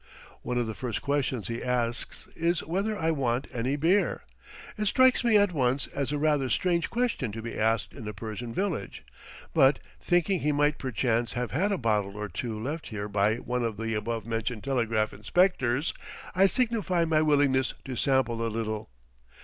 One of the first questions he asks, is whether I want any beer. It strikes me at once as a rather strange question to be asked in a Persian village, but, thinking he might perchance have had a bottle or two left here by one of the above mentioned telegraph inspectors, I signify my willingness to sample a little.